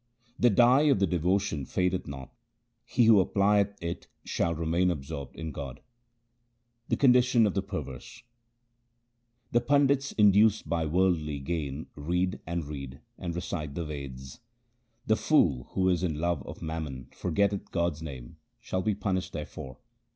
The dye of devotion fadeth not ; he who applieth it shall remain absorbed in God. The condition of the perverse :— The pandits induced by worldly gain read, and read, and recite the Veds. The fool who in his love of mammon forgetteth God's name, shall be punished therefor.